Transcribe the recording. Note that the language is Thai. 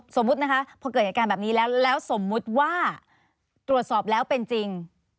สมมุตินะคะพอเกิดเหตุการณ์แบบนี้แล้วแล้วสมมุติว่าตรวจสอบแล้วเป็นจริง